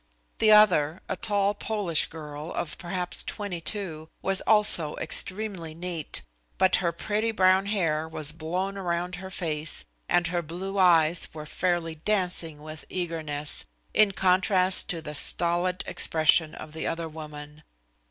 The other, a tall Polish girl, of perhaps 22, was also extremely neat, but her pretty brown hair was blown around her face and her blue eyes were fairly dancing with eagerness, in contrast to the stolid expression of the other woman.